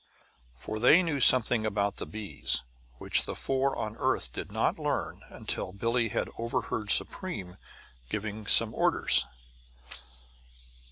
For they knew something about the bees which the four on the earth did not learn until Billie had overheard Supreme giving some orders.